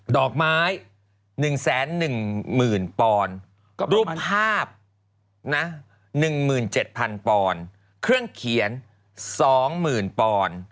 ดอกไม้๑๑๐๐๐๐๐ปอนรูปภาพ๑๗๐๐๐๐๐ปอนเครื่องเขียน๒๐๐๐๐ปอน